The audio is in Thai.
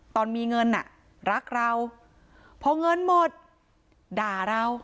ตอนมีเงินอ่ะรักเราพอเงินหมดด่าเรา